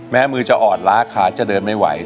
มือจะอ่อนล้าขาจะเดินไม่ไหว